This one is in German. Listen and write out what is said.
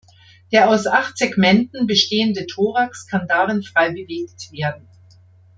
Der aus acht Segmenten bestehende Thorax kann darin frei bewegt werden.